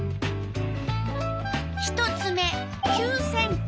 １つ目９ｃｍ。